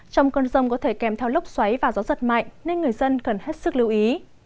trong cơn rông có thể kèm theo lốc xoáy và gió giật mạnh nên người dân cần hết sức lưu ý